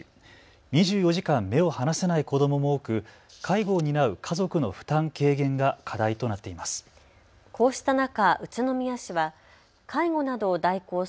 ２４時間目を離せない子どもも多く介護を担う家族の負担軽減が課題となっています。